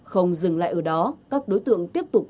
không dừng lại ở đó các đối tượng tiếp tục